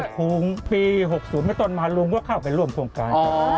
ครูปี๖๐ไม่ต้องมาลุงก็เข้าไปร่วมโครงการ